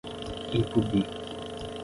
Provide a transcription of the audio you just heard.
Ipubi